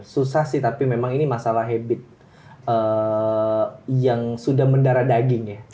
susah sih tapi memang ini masalah habit yang sudah mendara daging ya